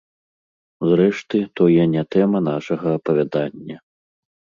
Зрэшты, тое не тэма нашага апавядання.